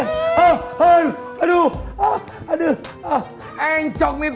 engcok nih tulang ian ya aduh bener bener